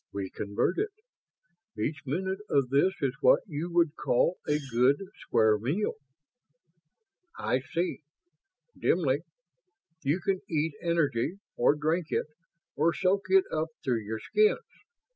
We convert it. Each minute of this is what you would call a 'good, square meal'." "I see ... dimly. You can eat energy, or drink it, or soak it up through your skins.